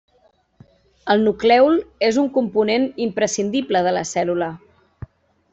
El nuclèol és un component imprescindible de la cèl·lula.